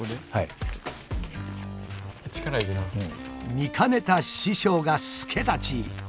見かねた師匠が助太刀。